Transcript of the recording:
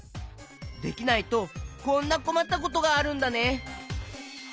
できないとこんなこまったことがあるんだね。